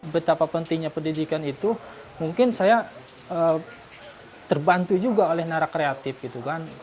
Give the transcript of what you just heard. betapa pentingnya pendidikan itu mungkin saya terbantu juga oleh narak kreatif gitu kan